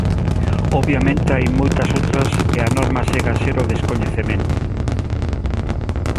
Obviamente hai moitas outras e a norma segue a ser o descoñecemento.